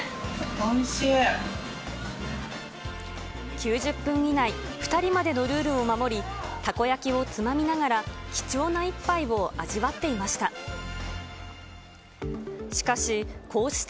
９０分以内、２人までのルールを守り、たこ焼きをつまみながら、貴重な一杯を味わっていました。